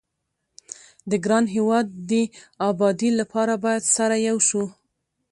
د ګران هيواد دي ابادي لپاره بايد سره يو شو